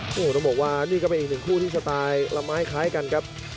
โอ้โหต้องบอกว่านี่ก็เป็นอีกหนึ่งคู่ที่สไตล์ละไม้คล้ายกันครับ